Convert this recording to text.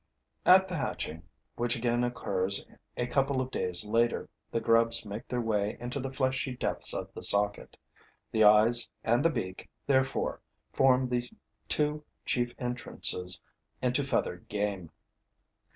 At the hatching, which again occurs a couple of days later, the grubs make their way into the fleshy depths of the socket. The eyes and the beak, therefore, form the two chief entrances into feathered game.